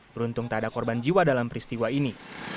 beruntung tak ada korban jiwa dalam peristiwa ini